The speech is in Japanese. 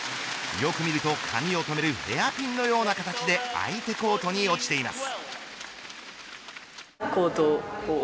よく見ると髪を留めるヘアピンのような形で相手コートに落ちています。